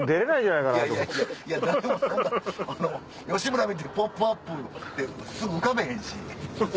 いや誰も吉村見て『ポップＵＰ！』ってすぐ浮かべへんし。